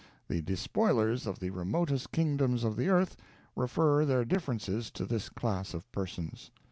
The despoilers of the remotest kingdoms of the earth refer their differences to this class of persons.